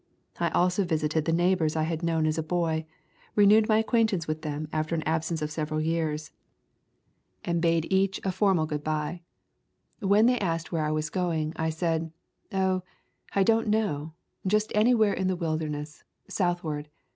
I also visited the neighbors I had known as a boy, renewed my acquaintance with them after an absence of several years, and bade each a formal [ xvi ] Lntroduction good bye. When they asked where I was going I said, 'Oh! I don't know — just anywhere in the wilderness, southward.